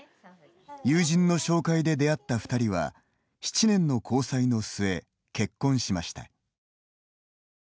友人の紹介で出会った二人は７年の交際の末、結婚しました。